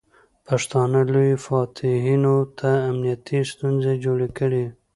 پښتانه لویو فاتحینو ته امنیتي ستونزې جوړې کړې.